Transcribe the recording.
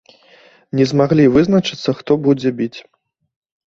Не змаглі вызначыцца, хто будзе біць.